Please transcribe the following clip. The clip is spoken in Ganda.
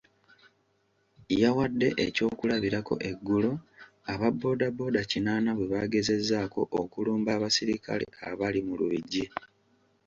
Yawadde eky'okulabirako eggulo aba boda boda kinaana bwe baagezezzaako okulumba abasirikale abali mu Lubigi.